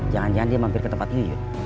jangan jangan dia mampir ke tempat yuk